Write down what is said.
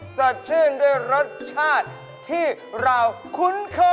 สดชื่นด้วยรสชาติที่เราคุ้นเคย